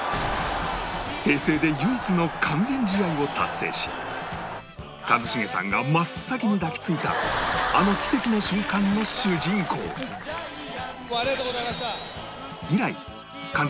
平成で唯一の完全試合を達成し一茂さんが真っ先に抱きついたあのありがとうございました。